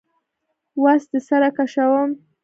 وس دي سره کشوم